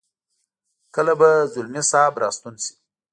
کله به ځلمی صاحب را ستون شي.